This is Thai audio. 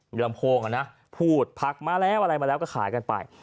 มีลำโพงอ่ะนะพูดผักมาแล้วอะไรมาแล้วก็ขายกันไป